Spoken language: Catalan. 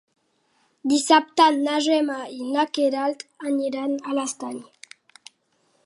Dissabte na Gemma i na Queralt aniran a l'Estany.